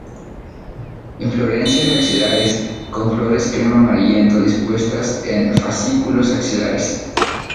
Inflorescencias axilares, con flores crema amarillento dispuestas en fascículos axilares.